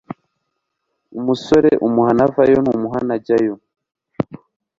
Umusore umuhana avayo ntumuhana ajyayo